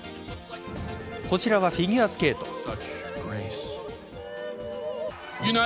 こちらはフィギュアスケート。